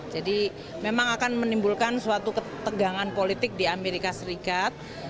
jadi memang akan menimbulkan suatu ketegangan politik di amerika serikat